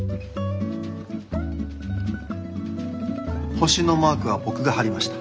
星のマークは僕が貼りました。